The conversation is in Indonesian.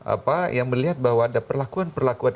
apa yang melihat bahwa ada perlakuan perlakuan